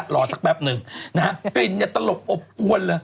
รอสักแป๊บหนึ่งนะฮะกลิ่นเนี่ยตลบอบอวนเลย